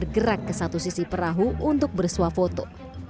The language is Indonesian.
bergerak ke satu sisi perahu untuk bersuah foto